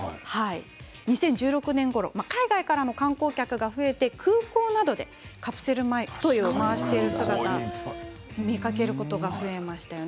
２０１６年ごろ、海外からの観光客が増えて空港などでカプセルトイを回している姿を見かけることが増えましたよね。